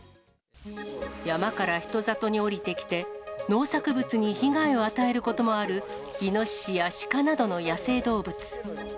山から人里に下りてきて、農作物に被害を与えることもある、イノシシやシカなどの野生動物。